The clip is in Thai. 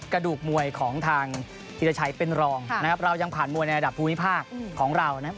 กระดูกมวยของทางธีรชัยเป็นรองนะครับเรายังผ่านมวยในระดับภูมิภาคของเรานะครับ